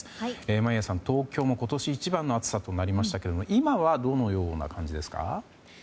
眞家さん、東京も今年一番の暑さとなりましたが今はどのような感じですか？